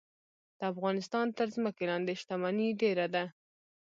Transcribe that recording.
د افغانستان تر ځمکې لاندې شتمني ډیره ده